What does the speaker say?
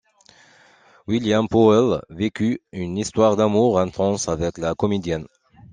William Powell vécut une histoire d'amour intense avec la comédienne.